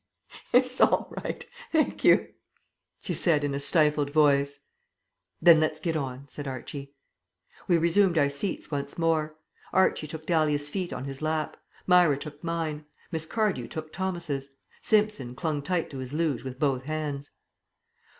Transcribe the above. "It's all right, thank you," she said in a stifled voice. "Then let's get on," said Archie. We resumed our seats once more. Archie took Dahlia's feet on his lap. Myra took mine. Miss Cardew took Thomas's. Simpson clung tight to his luge with both hands.